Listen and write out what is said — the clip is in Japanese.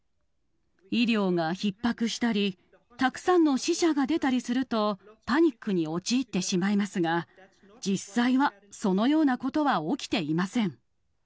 医療がひっ迫したり、たくさんの死者が出たりすると、パニックに陥ってしまいますが、実際はそのようなことは起きていません。